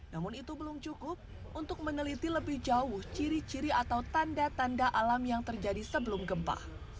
namun itu belum cukup untuk meneliti lebih jauh ciri ciri atau tanda tanda alam yang terjadi sebelum gempa